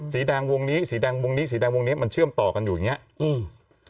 สีแดงวงนี้สีแดงวงนี้สีแดงวงนี้มันเชื่อมต่อกันอยู่อย่างเงี้ยอืม